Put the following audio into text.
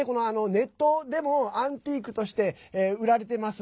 ネットでもアンティークとして売られてます。